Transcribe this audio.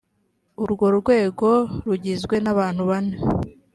urwo rwego rugizwe n abantu bane